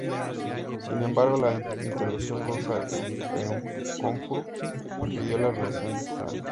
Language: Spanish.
Sin embargo la intervención rusa en Corfú impidió la realización de estos planes.